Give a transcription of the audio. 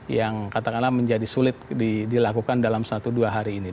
yang katakanlah menjadi sulit dilakukan dalam satu dua hari ini